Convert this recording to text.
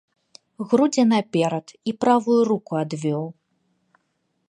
Грудзі наперад і правую руку адвёў.